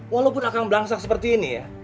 walaupun akang berangsak seperti itu ya